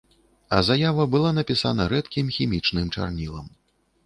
А заява была напісана рэдкім хімічным чарнілам.